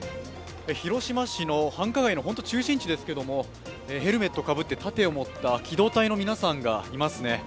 広島市の繁華街のほんと中心地ですけれども、ヘルメットをかぶって、盾を持った機動隊の皆さんがいますね。